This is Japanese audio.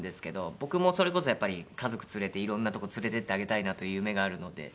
僕もそれこそやっぱり家族連れていろんなとこ連れていってあげたいなという夢があるので。